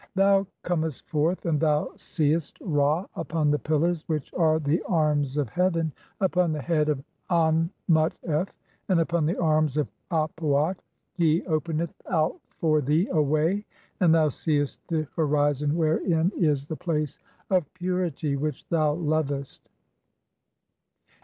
Thou comest forth and thou seest "Ra upon the pillars which are the arms of heaven, upon the "head of An mut f and upon the arms of Ap uat ; he openeth "out for thee a way (43) and thou seest the horizon wherein "is the place of purity which thou lovest."